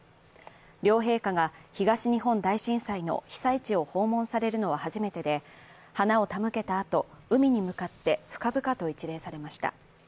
両陛下が東日本大震災の被災地を訪問されるのは初めてで、花を手向けたあと、海に向かって深々と一礼されました。